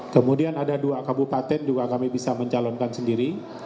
kemudian ada dua kabupaten juga kami bisa mencalonkan sendiri